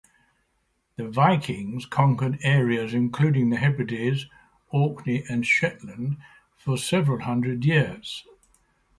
The Vikings conquered areas including the Hebrides, Orkney and Shetland for several hundred years.